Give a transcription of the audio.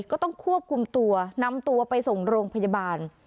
ก็ต้องควบคุมตัวนำตัวไปส่งโรงพยาบาล